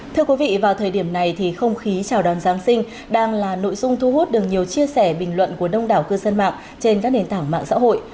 thưa quý vị vào thời điểm này thì không khí chào đón giáng sinh đang là nội dung thu hút được nhiều chia sẻ bình luận của đông đảo cư dân mạng trên các nền tảng mạng xã hội